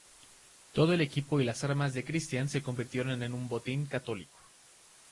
Todo el equipo y las armas de Cristián se convirtieron en un botín católico.